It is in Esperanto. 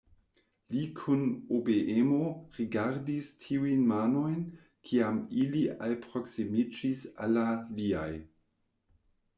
Li kun obeemo rigardis tiujn manojn, kiam ili alproksimiĝis al la liaj.